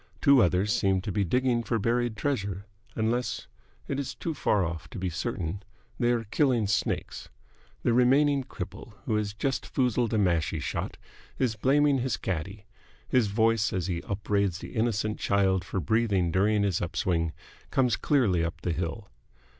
Two others seem to be digging for buried treasure, unless it is too far off to be certain they are killing snakes. The remaining cripple, who has just foozled a mashie shot, is blaming his caddie. His voice, as he upbraids the innocent child for breathing during his up swing, comes clearly up the hill.